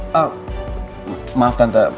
maksud kamu putri jadian